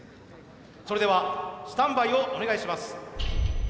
それではスタンバイをお願いします。